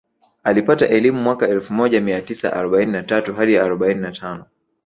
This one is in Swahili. Alipata elimu mwaka elfu moja mia tisa arobaini na tatu hadi arobaini na tano